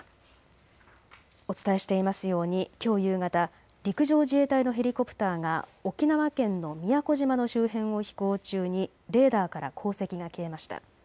お伝えしていますようにきょう夕方、陸上自衛隊のヘリコプターが沖縄県の宮古島の周辺を飛行中にレーダーから航跡が消えました。